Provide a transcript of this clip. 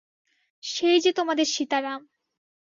সেই যে তােমাদের সীতারাম।